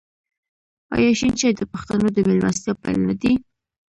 آیا شین چای د پښتنو د میلمستیا پیل نه دی؟